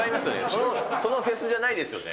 そのフェスじゃないですよね。